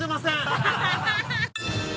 アハハハッ